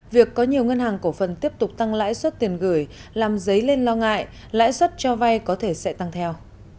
việc có nhiều ngân hàng cổ phần tiếp tục tăng lãi suất tiền gửi làm dấy lên lo ngại lãi suất cho vay có thể sẽ tăng theo